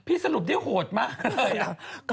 พี่สรุปเนี่ยโหดมากเลยอ่ะ